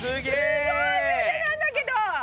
すごい腕なんだけど！